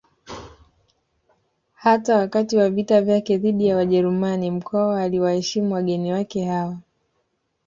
Hata wakati wa vita vyake dhidi ya Wajerumani Mkwawa aliwaheshimu wageni wake hawa